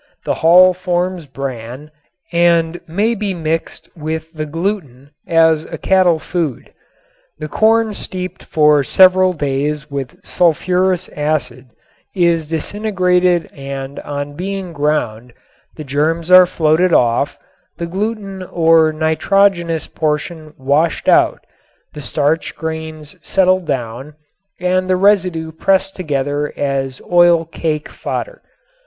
The hull forms bran and may be mixed with the gluten as a cattle food. The corn steeped for several days with sulfurous acid is disintegrated and on being ground the germs are floated off, the gluten or nitrogenous portion washed out, the starch grains settled down and the residue pressed together as oil cake fodder.